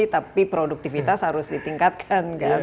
tapi produktivitas harus ditingkatkan kan